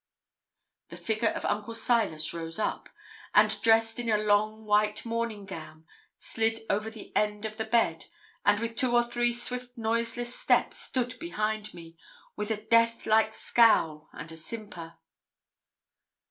The figure of Uncle Silas rose up, and dressed in a long white morning gown, slid over the end of the bed, and with two or three swift noiseless steps, stood behind me, with a death like scowl and a simper.